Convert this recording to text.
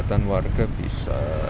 kegiatan warga bisa